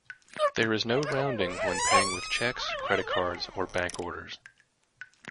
There is no rounding when paying with cheques, credit cards or bank orders.